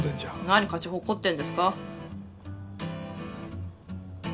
何勝ち誇ってるんですか。